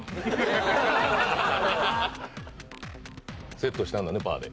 セットしたんだね、パーで。